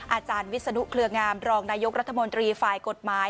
อาจารย์วิศนุเครืองามรองนายกรัฐมนตรีฝ่ายกฎหมาย